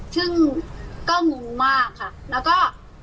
ซึ่งก็งงมากค่ะแล้วก็